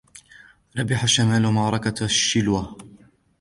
ربح الشمال معركة شيلوه.